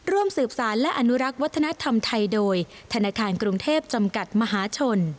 ร่วมสืบสารและอนุรักษ์วัฒนธรรมไทยโดยธนาคารกรุงเทพจำกัดมหาชน